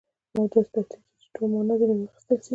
او داسي ترتیب سي، چي ټوله مانا ځني واخستل سي.